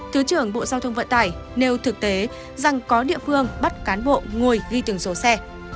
thứ trưởng bộ giao thông vận tải nêu thực tế rằng có địa phương bắt cán bộ ngồi ghi từng số xe